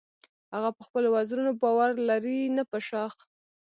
هغه په خپلو وزرونو باور لري نه په شاخ.